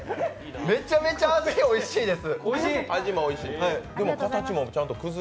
めちゃめちゃ味おいしいです。